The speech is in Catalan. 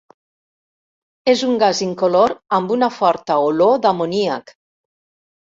És un gas incolor amb una forta olor d'amoníac.